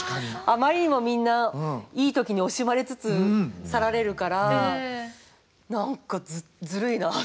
あまりにもみんないい時に惜しまれつつ去られるから何かずるいなと思う時ありますよ。